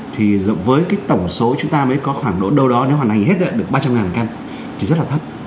thì với cái tổng số chúng ta mới có khoảng độ đâu đó nếu hoàn thành hết được ba trăm linh căn thì rất là thấp